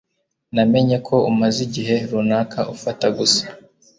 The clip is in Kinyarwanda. Namenye ko umaze igihe runaka ufata gusa